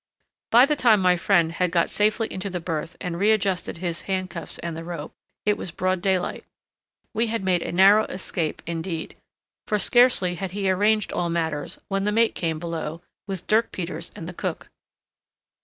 By the time my friend had got safely into the berth, and readjusted his handcuffs and the rope, it was broad daylight. We had made a narrow escape indeed; for scarcely had he arranged all matters, when the mate came below, with Dirk Peters and the cook.